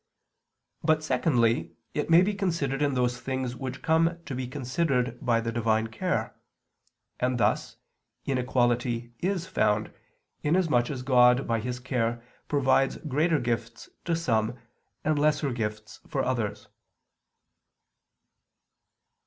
But, secondly, it may be considered in those things which come to be considered by the Divine care; and thus, inequality is found, inasmuch as God by His care provides greater gifts to some, and lesser gifts for others.